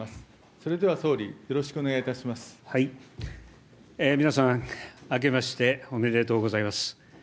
それでは総理、よろしくお願いい皆さん、あけましておめでとうございます。